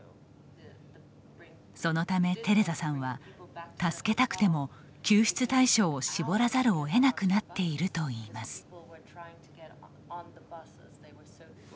そのためテレザさんは助けたくても救出対象を絞らざるを得なくなっているといいます。